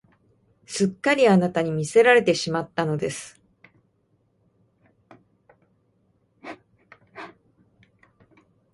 すっかりあなたに魅せられてしまったのです